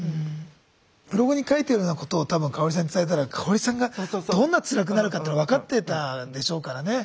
ブログに書いてるようなことを多分香さんに伝えたら香さんがどんなつらくなるかっての分かってたんでしょうからね。